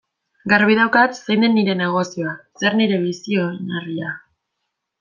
Garbi daukat zein den nire negozioa, zer nire bizi-oinarria.